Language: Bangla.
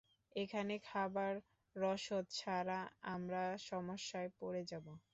এখানে খাবার, রসদ ছাড়া আমরা সমস্যায় পড়ে যাব।